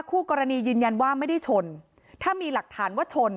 คู่กรณียืนยันว่าไม่ได้ชนถ้ามีหลักฐานว่าชน